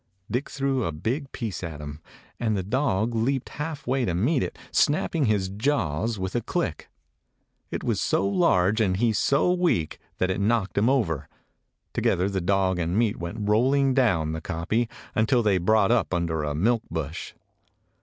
Dick threw a big piece at him, and the dog leaped half way to meet it, snapping his jaws with a click. It was so large and he so weak that it knocked him over. Together dog and meat went rolling down the kopje, until they brought up under a milk bush.